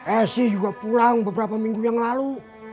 esy juga pulang beberapa minggu yang lalu